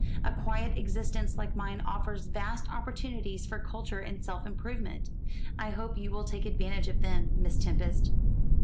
A quiet existence like mine offers vast opportunities for culture and self improvement. I hope you will take advantage of them, Miss Tempest."